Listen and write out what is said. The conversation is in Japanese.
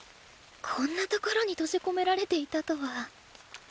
こんなところに閉じ込められていたとは。